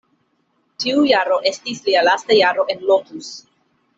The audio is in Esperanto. Tiu jaro estis lia lasta jaro en Lotus.